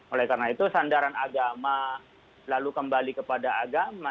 oleh karena itu sandaran agama lalu kembali kepada agama